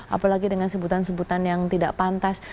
apalagi dengan sebutan sebutan yang tidak pantas